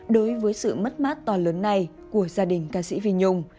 đối với sự mất mát to lớn này của gia đình ca sĩ vi nhung